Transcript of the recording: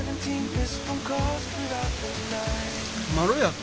まろやか。